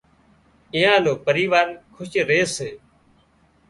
ايئان نُون پريوار کُش ري سي